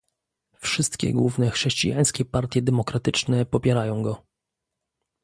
Wszystkie główne chrześcijańskie partie demokratyczne popierają go